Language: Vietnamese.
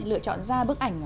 lựa chọn ra bức ảnh